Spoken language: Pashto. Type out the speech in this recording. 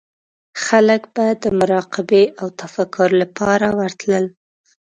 خلک به د مراقبې او تفکر لپاره ورتلل.